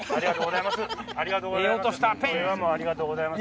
ありがとうございます。